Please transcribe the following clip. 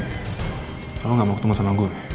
kalo lo gak mau ketemu sama gue